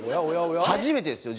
初めてですよ！